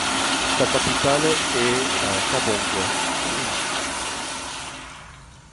Sa capitale est Kaabong.